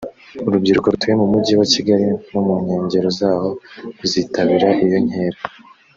urubyiruko rutuye mu Mujyi wa Kigali no mu nkengero zaho ruzitabira iyo nkera